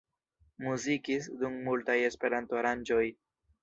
Muzikis dum multaj Esperanto-aranĝoj.